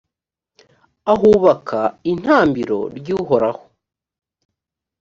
ahubaka intambiro rw’uhoraho.